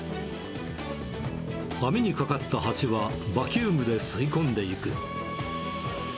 網にかかったハチはバキュームで吸い込んでいく。